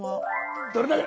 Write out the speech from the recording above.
どれだけ！